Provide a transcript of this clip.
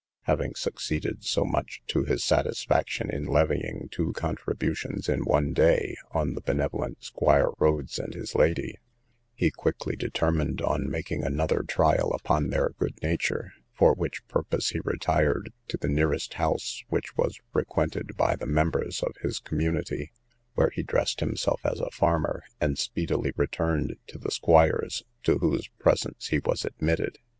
Having succeeded so much to his satisfaction in levying two contributions, in one day, on the benevolent Squire Rhodes and his lady, he quickly determined on making another trial upon their good nature: for which purpose he retired to the nearest house which was frequented by the members of his community, where he dressed himself as a farmer, and speedily returned to the squire's, to whose presence he was admitted.